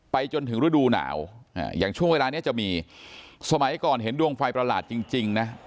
จนถึงฤดูหนาวอย่างช่วงเวลานี้จะมีสมัยก่อนเห็นดวงไฟประหลาดจริงนะ